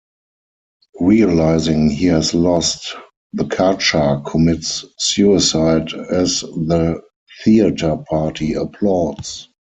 Realizing he has lost, the card shark commits suicide as the theatre party applauds.